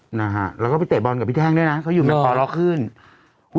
นะฮะแล้วก็ไปเตะบอลกับพี่แท่งด้วยนะเขาอยู่ไม่พอล็อกขึ้น